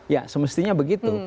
ya semestinya begitu